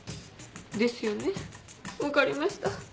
ですよね分かりました。